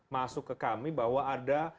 masuk ke kami bahwa ada